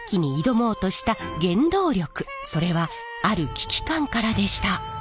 それはある危機感からでした。